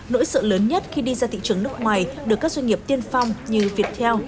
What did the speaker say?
nỗi sợ lớn nhất khi đi ra thị trường nước ngoài được các doanh nghiệp tiên phong như viettel